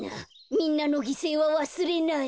みんなのぎせいはわすれない。